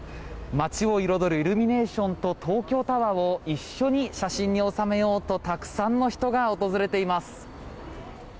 街を彩るイルミネーションと東京タワーを一緒に写真に収めようとたくさんの人が訪れています。